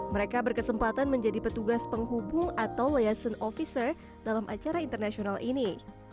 mereka berkesempatan menjadi petugas penghubung atau yayasan officer dalam acara internasional ini